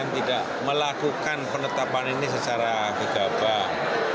dan tidak melakukan penetapan ini secara gegabah